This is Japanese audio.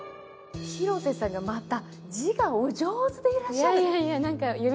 広瀬さんがまた字がお上手でいらっしゃる。